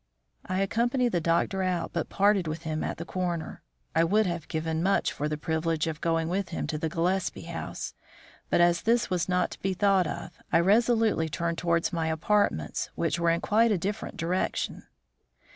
I accompanied the doctor out, but parted with him at the corner. I would have given much for the privilege of going with him to the Gillespie house, but as this was not to be thought of, I resolutely turned towards my apartments, which were in quite a different direction.